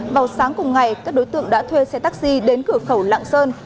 vào sáng cùng ngày các đối tượng đã thuê xe taxi đến cửa khẩu lạng sơn